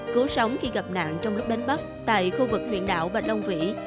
cứu sống khi gặp nạn trong lúc đánh bắt tại khu vực huyện đảo bạch long vĩ